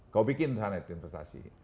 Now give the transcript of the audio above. kau bikin sana investasi